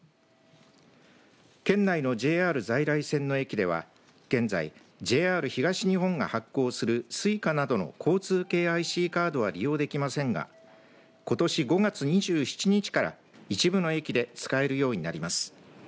県内のＪＲ在来線の駅では現在、ＪＲ東日本が発行するＳｕｉｃａなどの交通系ＩＣカードは利用できませんがことし５月２７日から一部の駅で使えるようになります。